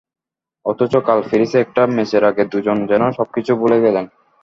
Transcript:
অথচ কাল প্যারিসে একটা ম্যাচের আগে দুজন যেন সবকিছু ভুলে গেলেন।